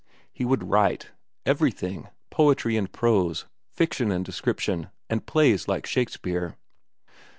He would write—everything—poetry and prose, fiction and description, and plays like Shakespeare.